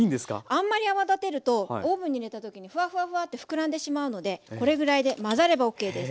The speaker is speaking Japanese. あんまり泡立てるとオーブンに入れた時にフワフワフワッて膨らんでしまうのでこれぐらいで混ざればＯＫです。